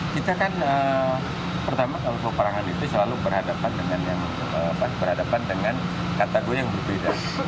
kita kan pertama musuh perangan itu selalu berhadapan dengan kategori yang berbeda